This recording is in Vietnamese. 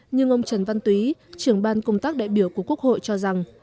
nhưng ông trần văn túy trưởng ban công tác đại biểu của quốc hội cho rằng